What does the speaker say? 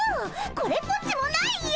これっぽっちもないよ！